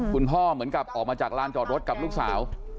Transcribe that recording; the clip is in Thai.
คุณพ่อเหมือนกับออกมาจากลานจอดรถกับลูกสาว